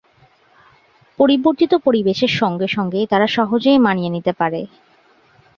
পরিবর্তিত পরিবেশের সঙ্গে সঙ্গে তারা সহজেই মানিয়ে নিতে পারে।